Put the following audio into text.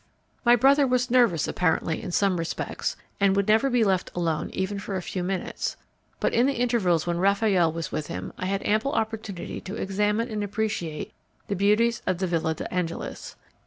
My brother was nervous apparently in some respects, and would never be left alone even for a few minutes; but in the intervals while Raffaelle was with him I had ample opportunity to examine and appreciate the beauties of the Villa de Angelis.